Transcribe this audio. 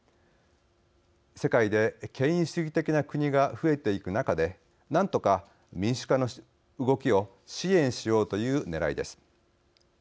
世界で権威主義的な国が増えていく中で何とか民主化の動きを支援しようというねらいです。